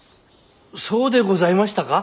そうでございましたか？